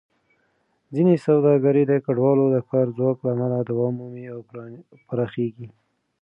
ځینې سوداګرۍ د کډوالو د کار ځواک له امله دوام مومي او پراخېږي.